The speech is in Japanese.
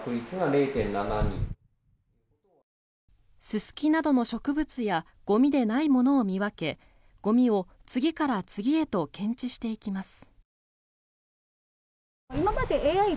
ススキなどの植物やゴミでないものを見分けゴミを次から次へと検知していきます。